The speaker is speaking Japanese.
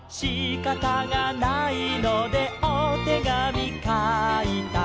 「しかたがないのでおてがみかいた」